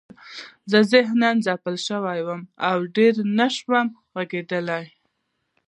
زه ذهناً ځپل شوی وم او ډېر نشوم غږېدلی